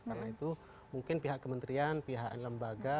karena itu mungkin pihak kementerian pihak lembaga